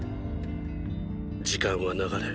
時間は流れ